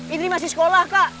indri masih sekolah kak